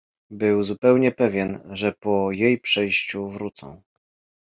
Był zupełnie pewien, że po jej przejściu wrócą.